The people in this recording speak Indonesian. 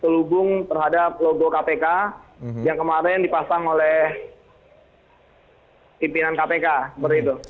kelubung terhadap logo kpk yang kemarin dipasang oleh pimpinan kpk seperti itu